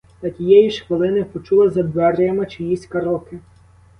Та тієї ж хвилини почула за дверима чиїсь кроки.